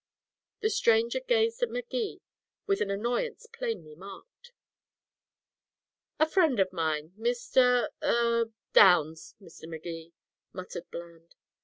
The stranger gazed at Magee with an annoyance plainly marked. "A friend of mine Mr. er Downs, Mr. Magee," muttered Bland.